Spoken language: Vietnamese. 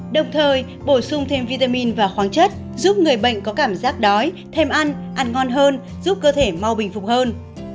đồng thời bổ sung thêm vitamin và khoáng chất giúp người bệnh có cảm giác đói thêm ăn ăn ngon hơn giúp cơ thể mau bình phục hơn